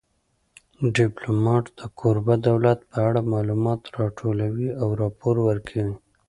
ډیپلومات د کوربه دولت په اړه معلومات راټولوي او راپور ورکوي